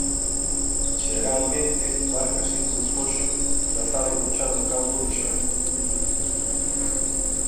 Xeralmente márcase cun foxo trazado no chan do campo de xogo.